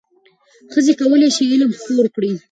ښځې کولای شي علم خپور کړي.